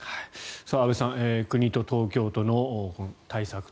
安部さん国と東京都の対策と。